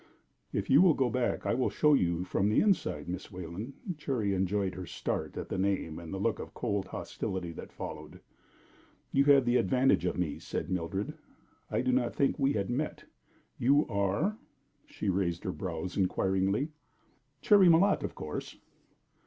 "If you will go back I will show it to you from the inside, Miss Wayland." Cherry enjoyed her start at the name and the look of cold hostility that followed. "You have the advantage of me," said Mildred. "I did not think we had met. You are ?" She raised her brows, inquiringly. "Cherry Malotte, of course."